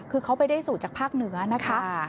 คือเขาไปได้สูตรจากภาคเหนือนะคะ